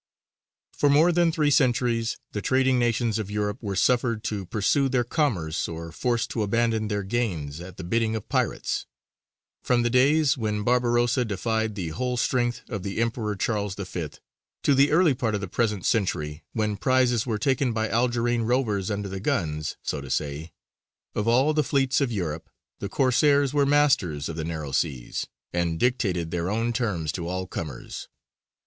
For more than three centuries the trading nations of Europe were suffered to pursue their commerce or forced to abandon their gains at the bidding of pirates. From the days when Barbarossa defied the whole strength of the Emperor Charles V., to the early part of the present century, when prizes were taken by Algerine rovers under the guns, so to say, of all the fleets of Europe, the Corsairs were masters of the narrow seas, and dictated their own terms to all comers.